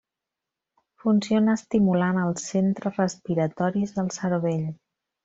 Funciona estimulant els centres respiratoris del cervell.